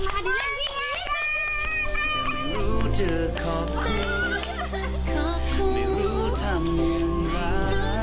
ไม่รู้จะขอบคุณไม่รู้ทำอย่างไร